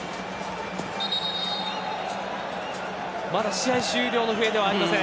まだ試合終了の笛ではありません。